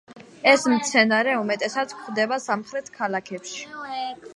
ეს მცენარე უმეტესად გვხვდება სამხრეთ ქალაქებში.